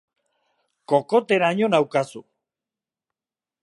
Kokoteraino naukazu!